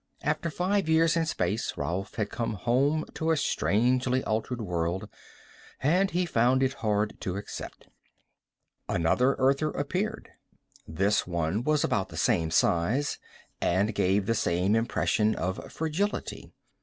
After five years in space, Rolf had come home to a strangely altered world, and he found it hard to accept. Another Earther appeared. This one was about the same size, and gave the same impression of fragility.